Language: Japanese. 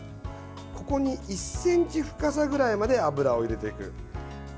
ここに１ｃｍ深さくらいまで油を入れていく。